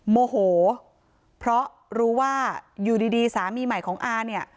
โมโหเพราะรู้ว่าอยู่ดีสามีใหม่ของอาเนี่ย